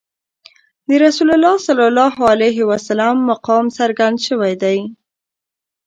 د رسول الله صلی الله علیه وسلم مقام څرګند شوی دی.